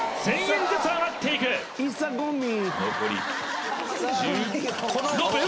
１０００円ずつ上がっていく残り１６分